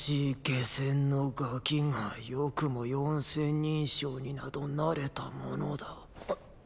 下賤のガキがよくも四千人将になどなれたものだ。っ！